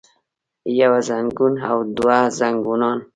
يو زنګون او دوه زنګونان